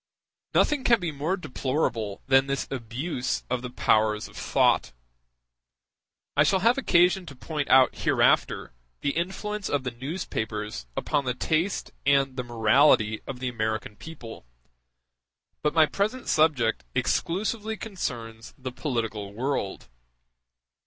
Nothing can be more deplorable than this abuse of the powers of thought; I shall have occasion to point out hereafter the influence of the newspapers upon the taste and the morality of the American people, but my present subject exclusively concerns the political world.